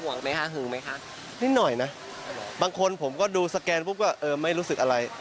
ไหมคะหือไหมคะนิดหน่อยนะบางคนผมก็ดูสแกนปุ๊บก็เออไม่รู้สึกอะไร